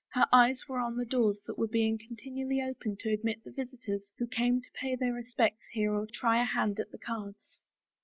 Her eyes were on the doors that were being continually opened to admit the visitors who came to pay their respects here or try a hand at the cards.